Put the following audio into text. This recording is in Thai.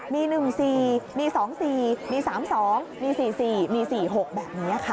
มี๑๔มี๒๔มี๓๒มี๔๔มี๔๖แบบนี้ค่ะ